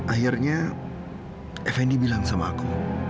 akhirnya fnd bilang sama aku